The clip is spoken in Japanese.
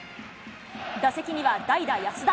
打席には代打、安田。